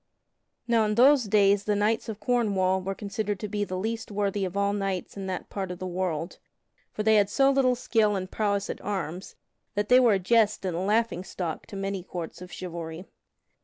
Now in those days the knights of Cornwall were considered to be the least worthy of all knights in that part of the world, for they had so little skill and prowess at arms that they were a jest and a laughing stock to many courts of chivalry.